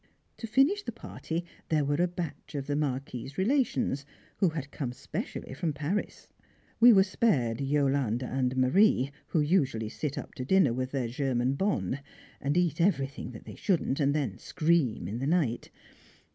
To finish the party there were a batch of the Marquis's relations, who had come specially from Paris. We were spared Yolande and Marie, who usually sit up to dinner with their German bonne, and eat everything that they shouldn't, and then scream in the night.